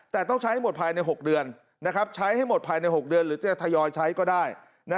แต่ต้องใช้ให้หมดภายใน๖เดือนหรือจะถยอยใช้ก็ได้